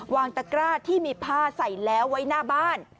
ตะกร้าที่มีผ้าใส่แล้วไว้หน้าบ้าน